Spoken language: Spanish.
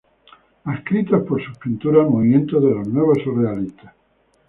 Adscrito por sus pinturas al movimiento de los nuevos surrealistas.